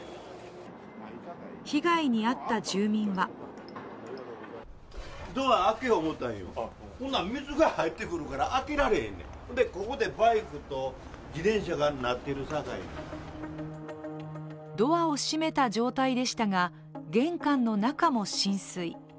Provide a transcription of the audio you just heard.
被害に遭った住民はドアを閉めた状態でしたが、玄関の中も浸水。